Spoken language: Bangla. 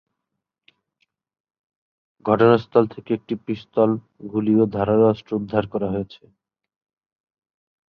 ঘটনাস্থল থেকে একটি পিস্তল, গুলি ও ধারালো অস্ত্র উদ্ধার করা হয়েছে।